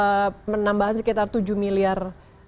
berarti ada penambahan sekitar tujuh miliar